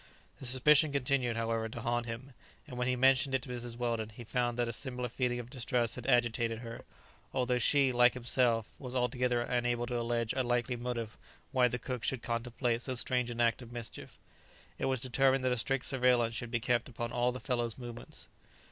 The suspicion continued, however, to haunt him, and when he mentioned it to Mrs. Weldon he found that a similar feeling of distrust had agitated her, although she, like himself, was altogether unable to allege a likely motive why the cook should contemplate so strange an act of mischief. It was determined that a strict surveillance should be kept upon all the fellow's movements.